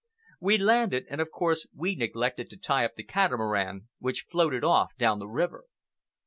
We landed, and of course we neglected to tie up the catamaran, which floated off down the river.